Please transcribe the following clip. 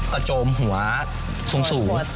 กระโจมหัวสูงสูง